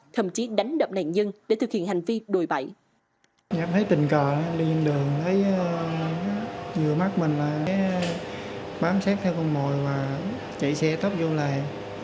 thậm chí đánh đập nạn nhân để thực hiện hành vi đổi bại